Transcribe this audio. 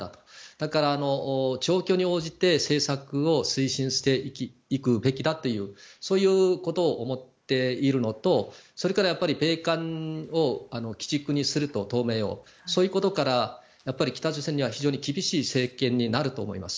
だから状況に応じて政策を推進していくべきだということを思っているのと、それから米韓同盟を基軸にするとそういうことから北朝鮮には非常に厳しい政権になると思います。